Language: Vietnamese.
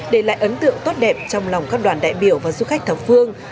để lại ấn tượng tốt đẹp trong lòng các đoàn đại biểu và du khách thập phương